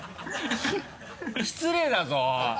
失礼だぞ！